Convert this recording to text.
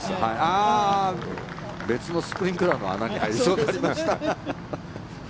別のスプリンクラーの穴に入りそうになりました。